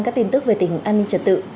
các tin tức về tỉnh an ninh trật tự